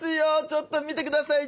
ちょっと見てください。